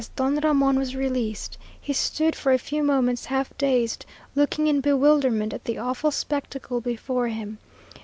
As Don Ramon was released, he stood for a few moments half dazed, looking in bewilderment at the awful spectacle before him.